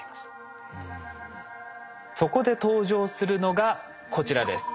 そこで登場するのがこちらです。